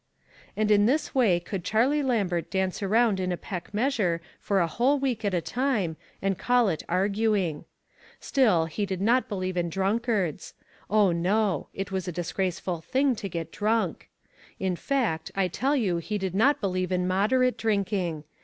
And in this way could Charlie Lambert dance around in a peck measure for a whole week at a time, and call it arguing. Still, he did not believe in drunkards. Oh, no ; it was a disgraceful thing to get drunk. In fact, I tell you he did not believe in moderate drinking.